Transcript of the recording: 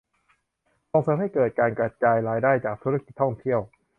ส่งเสริมให้เกิดการกระจายรายได้จากธุรกิจท่องเที่ยว